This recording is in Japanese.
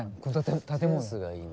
この建物。